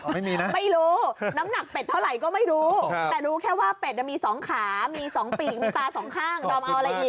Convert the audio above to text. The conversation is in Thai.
ไม่มีนะไม่รู้น้ำหนักเป็ดเท่าไหร่ก็ไม่รู้แต่รู้แค่ว่าเป็ดมีสองขามี๒ปีกมีตาสองข้างดอมเอาอะไรอีก